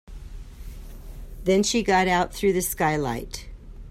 Then she got out through the skylight.